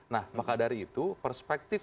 nah maka dari itu perspektif